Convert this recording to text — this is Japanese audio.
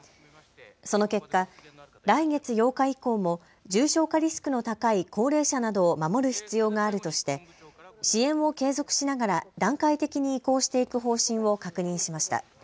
その結果、来月８日以降も重症化リスクの高い高齢者などを守る必要があるとして支援を継続しながら段階的に移行していく方針を確認しました。